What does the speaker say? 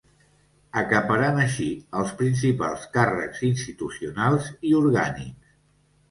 Acaparant així els principals càrrecs institucionals i orgànics.